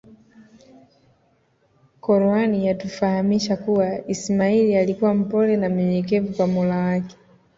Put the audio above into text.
Quran yatufahamisha kuwa ismail alikua mpole na mnyenyekevu kwa mola wake